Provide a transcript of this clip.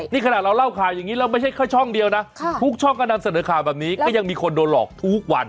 นี่ขนาดเราเล่าข่าวอย่างนี้เราไม่ใช่แค่ช่องเดียวนะทุกช่องก็นำเสนอข่าวแบบนี้ก็ยังมีคนโดนหลอกทุกวัน